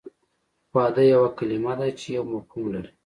واده یوه کلمه ده چې یو مفهوم لري